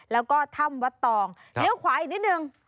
แล้วก็ถ้ำวัดตองเลี้ยวขวาอีกนิดนึง